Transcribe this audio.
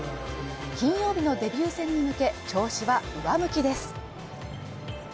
金曜日のデビュー戦に向け、調子は上向きです。